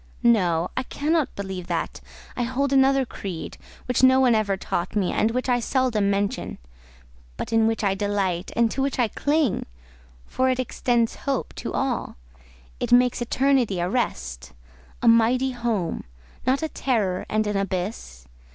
No; I cannot believe that: I hold another creed: which no one ever taught me, and which I seldom mention; but in which I delight, and to which I cling: for it extends hope to all: it makes Eternity a rest—a mighty home, not a terror and an abyss.